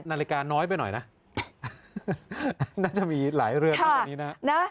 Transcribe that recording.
นาฬิกาน้อยไปหน่อยน่ะน่าจะมีหลายเรือเท่านี้น่ะค่ะน่ะ